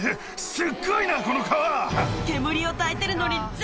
すっごいなこの蚊は！